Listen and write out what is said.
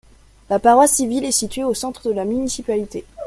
La paroisse civile est située au centre la municipalité.